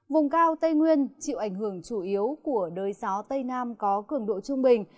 vùng cao tây nguyên chịu ảnh hưởng chủ yếu của đới gió tây nam có cường độ trung bình